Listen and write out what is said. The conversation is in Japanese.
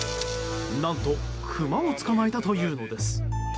何とクマを捕まえたというのです。